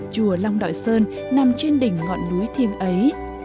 chùa long đoại sơn nằm trên đỉnh ngọn núi thiêng ấy